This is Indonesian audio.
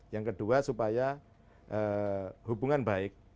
yang kedua supaya hubungan baik